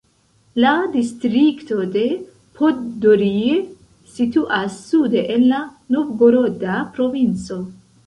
La distrikto de Poddorje situas sude en la Novgoroda provinco.